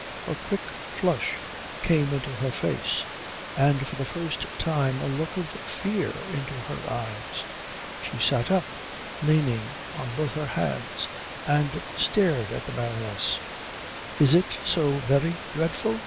_ A quick flush came into her face, and for the first time a look of fear into her eyes. She sat up, leaning on both her hands, and stared at the Baroness. "Is it so very dreadful?"